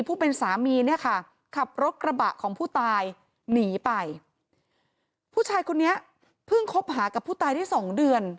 ผู้เป็นสามีเนี่ยค่ะขับรถกระบะของผู้ตายหนีไปผู้ชายคนนี้เพิ่งคบหากับผู้ตายได้สองเดือน